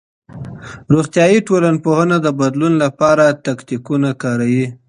روغتيائي ټولنپوهنه د بدلون لپاره تکتيکونه کاروي.